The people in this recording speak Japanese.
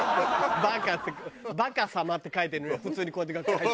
「バカ」って「バカ様」って書いてあるのに普通にこうやって楽屋入って。